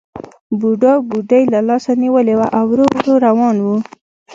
بوډا بوډۍ له لاسه نیولې وه او ورو ورو روان وو